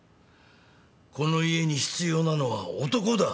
この家に必要なのは男だ。